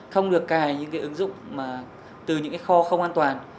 không được cài những cái ứng dụng mà từ những cái kho không an toàn